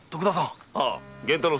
ああ。